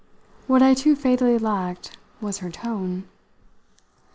What I too fatally lacked was her tone.